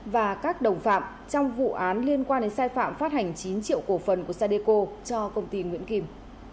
và các đồng phạm trong vụ án liên quan đến sai phạm phát hành chín triệu cổ phần của sadeco cho công ty nguyễn kim